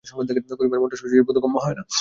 কুসুমের মনটা শশীর বোধগম্য হয় না।